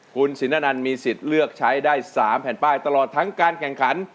คุณสินอนันต์มีสิทธิ์เลือกใช้ได้๓แผ่นป้ายตลอดทั้งการแข่งขัน